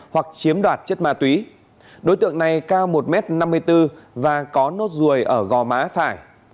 hoặc chiếm đoạt chất ma túy đối tượng này cao một m năm mươi bốn và có nốt ruồi ở gò má phải